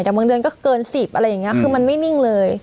แต่บางเดือนก็เกิน๑๐อะไรอย่างนี้คือมันไม่นิ่งเลย